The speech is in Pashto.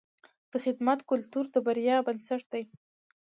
د خدمت کلتور د بریا بنسټ دی.